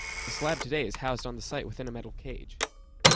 The slab is today housed on the site within a metal cage.